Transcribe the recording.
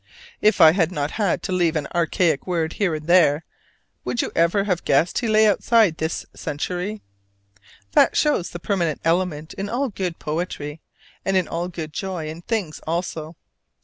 If I had not had to leave an archaic word here and there, would you ever have guessed he lay outside this century? That shows the permanent element in all good poetry, and in all good joy in things also.